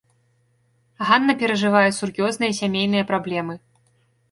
Ганна перажывае сур'ёзныя сямейныя праблемы.